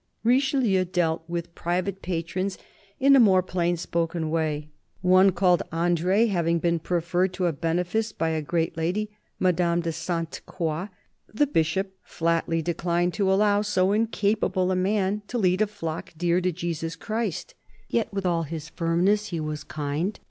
Richelieu dealt with private patrons in a more plain THE BISHOP OF LUgON 45 spoken way. "One called Andr6" having been preferred to a benefice by a great lady, Madame de Sainte Croix, the Bishop flatly declined to allow so incapable a man " to lead a flock dear to Jesus Christ." Yet, with all his firmness, he was kind.